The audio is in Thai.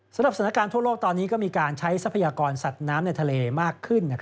สถานการณ์ทั่วโลกตอนนี้ก็มีการใช้ทรัพยากรสัตว์น้ำในทะเลมากขึ้น